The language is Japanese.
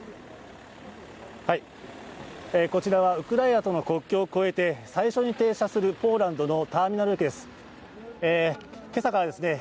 こちらはウクライナとの国境を越えて最初に停車するポーランドのターミナル駅です。